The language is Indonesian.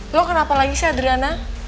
lo kenapa lagi saya adriana